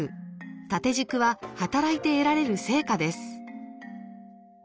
縦軸は働いて得られる成果です。